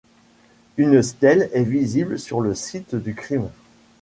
Une stèle est visible sur le site du crime.